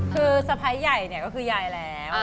คือสไพส์ใหญ่ก็คือใหญ่แล้ว